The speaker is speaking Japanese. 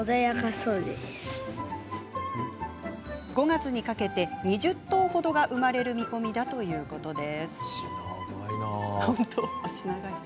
５月にかけて２０頭ほどが生まれる見込みということです。